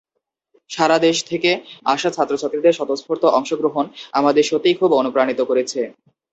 সারা দেশ থেকে আসা ছাত্রছাত্রীদের স্বতঃস্ফূর্ত অংশগ্রহণ আমাদের সত্যিই খুব অনুপ্রাণিত করেছে।